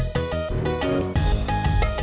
dishongulu di indonesia